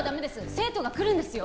生徒が来るんですよ！？